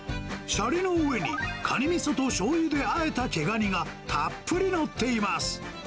しゃりの上に、カニみそとしょうゆであえた毛ガニが、たっぷり載っています。